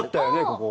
ここ。